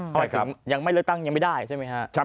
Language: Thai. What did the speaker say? หมายถึงยังไม่เลือกตั้งยังไม่ได้ใช่ไหมครับ